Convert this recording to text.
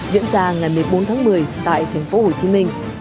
diễn ra ngày một mươi bốn tháng một mươi tại tp hcm